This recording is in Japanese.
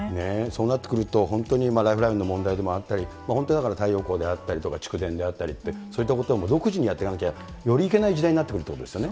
そうなってくると、本当にライフラインの問題でもあったり、本当、だから太陽光であったりとか、蓄電であったりって、そういったことを独自にやっていかなきゃ、よりいけない時代になってくるということですよね。